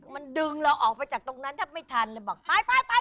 มันดึงเราออกไปจากตรงนั้นถ้าไม่ทันเลยบอกไปกลับบ้าน